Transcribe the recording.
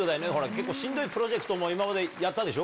結構しんどいプロジェクトもやったでしょ？